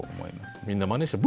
みんなまねした。